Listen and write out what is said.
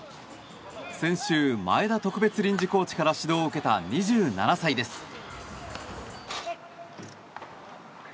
先週、前田特別臨時コーチから指導を受けた２７歳です。